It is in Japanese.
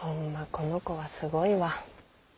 この子はすごいわ。